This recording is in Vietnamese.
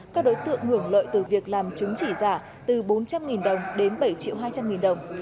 các đối tượng ngưỡng lợi từ việc làm chứng chỉ giả từ bốn trăm linh đồng đến bảy hai trăm linh đồng